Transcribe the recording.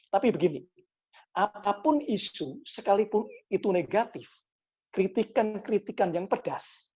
tapi begini apapun isu sekalipun itu negatif kritikan kritikan yang pedas